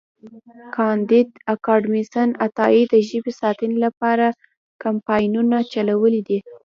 کانديد اکاډميسن عطایي د ژبې ساتنې لپاره کمپاینونه چلولي دي.